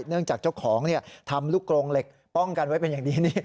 เนื่องจากเจ้าของทำลูกกรงเหล็กป้องกันไว้เป็นอย่างดีนี่